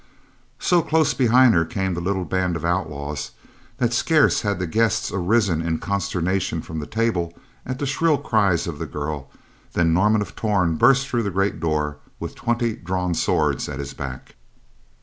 So close behind her came the little band of outlaws that scarce had the guests arisen in consternation from the table at the shrill cries of the girl than Norman of Torn burst through the great door with twenty drawn swords at his back.